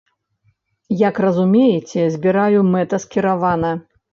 Як разумееце, збіраю мэтаскіравана.